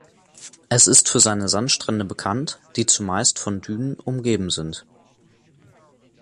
Es ist für seine Sandstrände bekannt, die zumeist von Dünen umgeben sind.